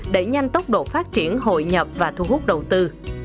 tăng tốc độ phát triển hội nhập và thu hút đầu tư